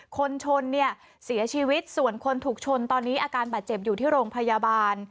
คนชนเนี่ยเสียชีวิตส่วนคนถูกชนตอนนี้อาการบาดเจ็บอยู่ที่โรงพยาบาล